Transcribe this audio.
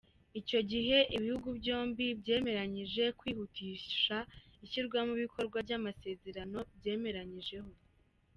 Icyo gihe ibihugu byombi byemeranyije kwihutisha ishyirwa mu bikorwa ry’amasezerano byemeranyijeho.